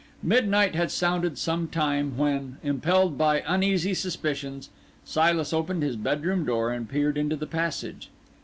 Midnight had sounded some time, when, impelled by uneasy suspicions, Silas opened his bedroom door and peered into the passage.